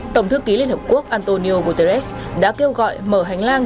tổng thư ký liên hợp quốc antonio guterres đã kêu gọi mở hành lang